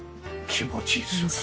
気持ちいいです。